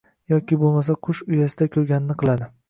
Yoki bo‘lmasa, «Qush uyasida ko‘rganini qiladi»